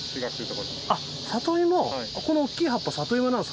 里芋この大きい葉っぱ里芋なんですか。